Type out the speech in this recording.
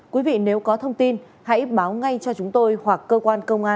quý vị nếu có thông tin hãy báo ngay cho chúng tôi hoặc cơ quan công an